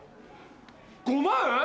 ５万⁉